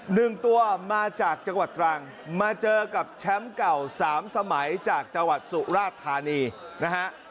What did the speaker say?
หนึ่งตัวมาจากจังหวัดตรังมาเจอกับแชมป์เก่าสามสมัยจากจังหวัดสุราธานีนะฮะ